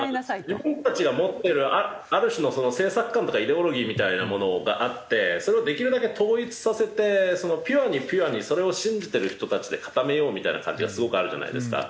自分たちが持ってるある種の政策観とかイデオロギーみたいなものがあってそれをできるだけ統一させてピュアにピュアにそれを信じてる人たちで固めようみたいな感じがすごくあるじゃないですか。